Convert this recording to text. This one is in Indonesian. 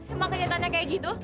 emang kenyataannya kayak gitu